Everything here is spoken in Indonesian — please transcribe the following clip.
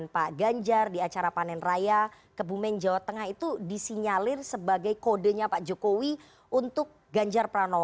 pak ganjar di acara panen raya kebumen jawa tengah itu disinyalir sebagai kodenya pak jokowi untuk ganjar pranowo